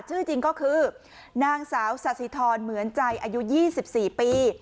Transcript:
ชื่อจริงก็คือนางสาวสาธิธรเหมือนใจอายุ๒๔ปี